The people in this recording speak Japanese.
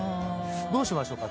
「どうしましょうか？